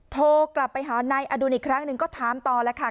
โทรกลับไปหานายอดุลอีกครั้งหนึ่งก็ถามต่อแล้วค่ะ